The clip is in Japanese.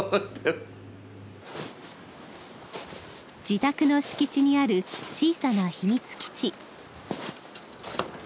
自宅の敷地にある小さな秘密基地。